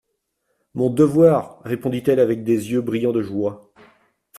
Mon devoir, répondit-elle avec des yeux brillants de joie.